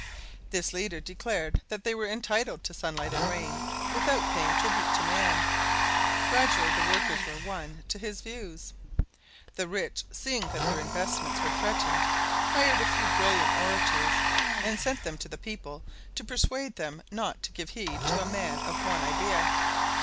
This leader declared that they were entitled to sunlight and rain without paying tribute to man. Gradually the workers were won to his views. The rich, seeing that their investments were threatened, hired a few brilliant orators and sent them to the people to persuade them not to give heed to a man of one idea.